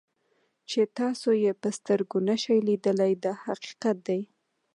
چې تاسو یې په سترګو نشئ لیدلی دا حقیقت دی.